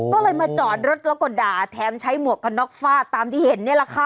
ก็เลยมาจอดรถแล้วก็ด่าแถมใช้หมวกกันน็อกฟาดตามที่เห็นนี่แหละค่ะ